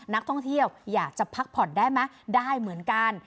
นักท่องเที่ยวอยากจะพักผ่อนได้ไหมได้เหมือนกัน